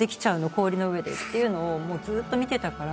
氷の上で」っていうのをもうずっと見てたから。